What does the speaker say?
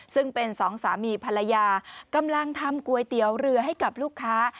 ซึ่งเป็นสองสามีภรรยากำลังทำก๋วยเตี๋ยวเรือให้กับลูกค้า